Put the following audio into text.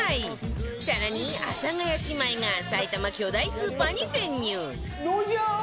さらに阿佐ヶ谷姉妹が埼玉巨大スーパーに潜入